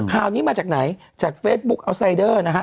ข่าวนี้มาจากไหนจากเฟซบุ๊คอัลไซเดอร์นะฮะ